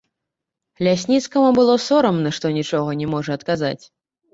Лясніцкаму было сорамна, што нічога не можа адказаць.